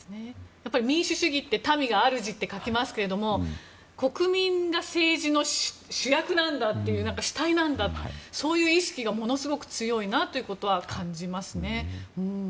民主主義って民に主って書きますけども国民が政治の主役なんだという主体なんだというそういう意識がものすごく強いなと感じますね。